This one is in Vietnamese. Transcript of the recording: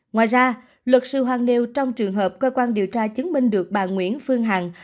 ngoài ra luật sư hoàng nêu trong trường hợp cơ quan điều tra chứng minh được bà nguyễn phương hằng